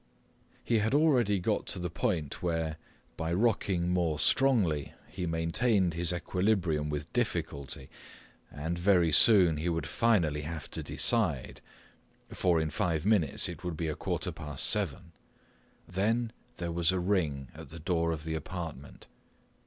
He had already got to the point where, by rocking more strongly, he maintained his equilibrium with difficulty, and very soon he would finally have to decide, for in five minutes it would be a quarter past seven. Then there was a ring at the door of the apartment.